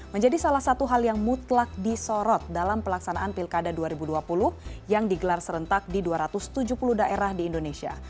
menjadi salah satu hal yang mutlak disorot dalam pelaksanaan pilkada dua ribu dua puluh yang digelar serentak di dua ratus tujuh puluh daerah di indonesia